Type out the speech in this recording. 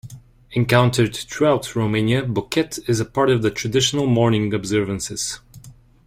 Encountered throughout Romania, bocet is a part of the traditional mourning observances.